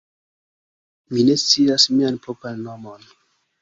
mi ne scias mian propran nomon.